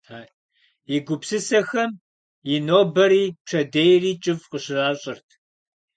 И гупсысэхэм и нобэри пщэдейри кӏыфӏ къыщащӏырт.